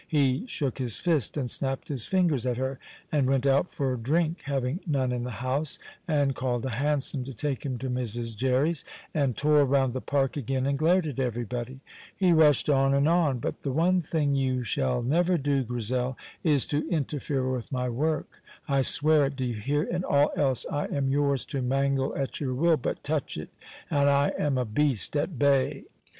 He shook his fist and snapped his fingers at her, and went out for drink (having none in the house), and called a hansom to take him to Mrs. Jerry's, and tore round the park again and glared at everybody. He rushed on and on. "But the one thing you shall never do, Grizel, is to interfere with my work; I swear it, do you hear? In all else I am yours to mangle at your will, but touch it, and I am a beast at bay."